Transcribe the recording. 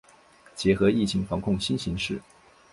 结合疫情防控新形势